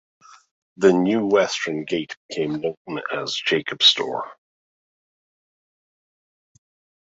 The new western gate became known as the "Jakobstor".